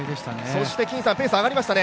そしてペースが上がりました